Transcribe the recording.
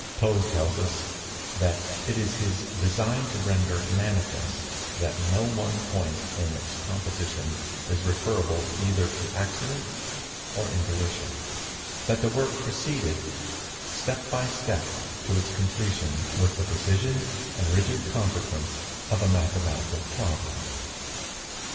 Poe tells us that it was his "design to render it manifest that no one point in its composition is referable either to accident or intuition; that the work proceeded, step by step, to its completion with the precision and rigid consequence of a mathematical problem."